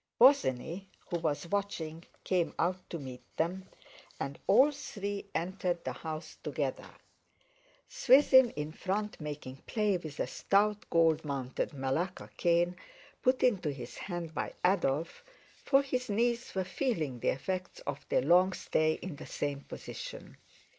Bosinney, who was watching, came out to meet them, and all three entered the house together; Swithin in front making play with a stout gold mounted Malacca cane, put into his hand by Adolf, for his knees were feeling the effects of their long stay in the same position.